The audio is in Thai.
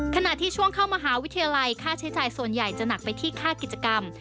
ขณะที่ช่วงเข้ามหาวิทยาลัยค่าใช้จ่ายส่วนใหญ่จะหนักไปที่ค่ากิจกรรม